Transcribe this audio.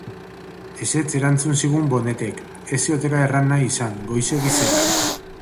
Ezetz erantzun zigun Bonetek, ez ziotela erran nahi izan, goizegi zela.